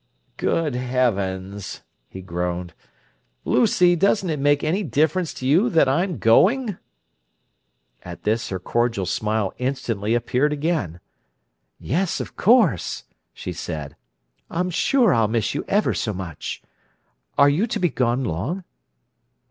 "Good heavens!" he groaned. "Lucy, doesn't it make any difference to you that I am going?" At this her cordial smile instantly appeared again. "Yes, of course," she said. "I'm sure I'll miss you ever so much. Are you to be gone long?"